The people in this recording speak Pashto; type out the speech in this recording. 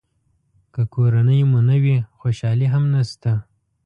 که کورنۍ مو نه وي خوشالي هم نشته.